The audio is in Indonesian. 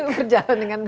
berjalan dengan baik